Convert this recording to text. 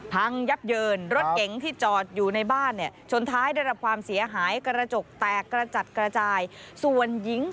เป็นอย่างไรบ้าง